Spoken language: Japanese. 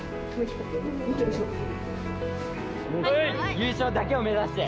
優勝だけを目指して！